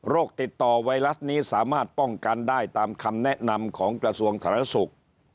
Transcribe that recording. ติดต่อไวรัสนี้สามารถป้องกันได้ตามคำแนะนำของกระทรวงธารณสุข